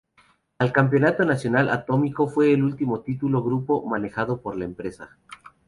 El Campeonato Nacional Atómico fue el último título de "grupo" manejado por la empresa.